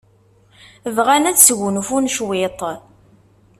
Bɣan ad sgunfun cwiṭ.